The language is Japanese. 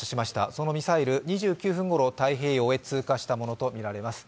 そのミサイル、２９分ごろ太平洋へ通過したとみられます。